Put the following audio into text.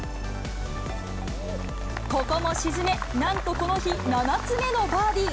ここも沈め、なんとこの日、７つ目のバーディー。